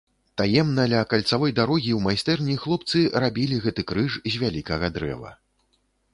Таемна ля кальцавой дарогі ў майстэрні хлопцы рабілі гэты крыж з вялікага дрэва.